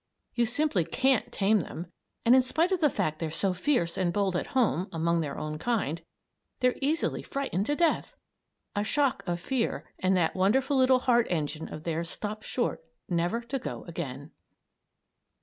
You simply can't tame them, and in spite of the fact they're so fierce and bold at home among their own kind they're easily frightened to death. A shock of fear and that wonderful little heart engine of theirs stops short never to go again.